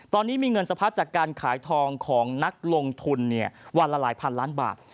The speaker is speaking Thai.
ตอนนี้มีเงินสะพัดจากการขายทองของนักลงทุนวันละหลายพันล้านบาท